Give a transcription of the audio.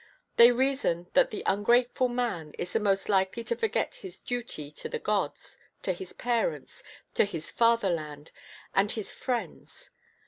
They reason that the ungrateful man is the most likely to forget his duty to the gods, to his parents, to his fatherland, and his friends.